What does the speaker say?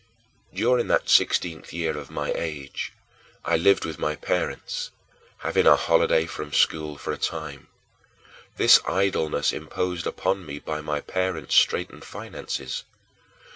6. During that sixteenth year of my age, I lived with my parents, having a holiday from school for a time this idleness imposed upon me by my parents' straitened finances.